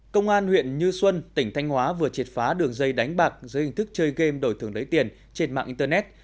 công an huyện như xuân tỉnh thanh hóa vừa triệt phá đường dây đánh bạc dưới hình thức chơi game đổi thưởng lấy tiền trên mạng internet